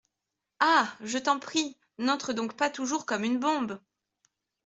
Ah ! je t’en prie, n’entre donc pas toujours comme une bombe !…